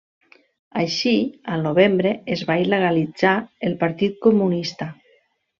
Així, al novembre es va il·legalitzar el Partit Comunista.